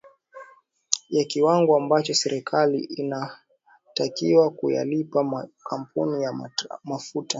ya kiwango ambacho serikali inatakiwa kuyalipa makampuni ya mafuta